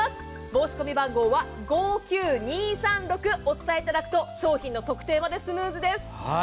申し込み番号は５９２３６お伝えいただくと商品の特定までスムーズです。